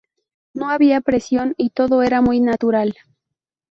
No había presión, y todo era muy natural.